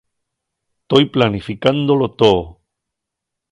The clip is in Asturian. Toi planificándolo too.